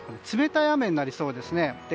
冷たい雨になりそうですね。